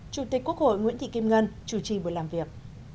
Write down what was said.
chủ tịch quốc hội nguyễn thị kim ngân chủ trì buổi làm việc